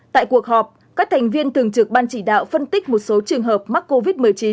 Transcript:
tại cuộc họp các thành viên thường trực ban chỉ đạo phân tích một số trường hợp mắc covid một mươi chín